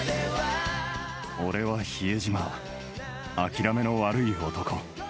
俺は比江島諦めの悪い男。